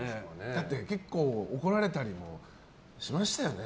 だって結構怒られたりもしましたよね？